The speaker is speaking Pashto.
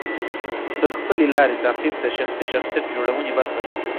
د خپلې لارې تعقیب د شخصي شخصیت جوړونې برخه ده.